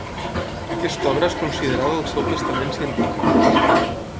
Aquesta obra és considerada el seu testament científic.